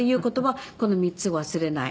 この３つを忘れない。